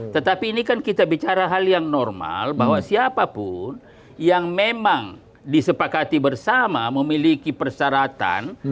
tetapi ini kan kita bicara hal yang normal bahwa siapapun yang memang disepakati bersama memiliki persyaratan